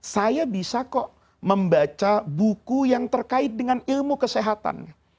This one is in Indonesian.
saya bisa kok membaca buku yang terkait dengan ilmu kesehatan